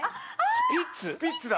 スピッツだ。